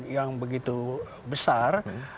yang begitu besar